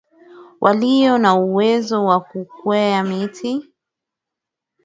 walio na uwezo wa kukwea miti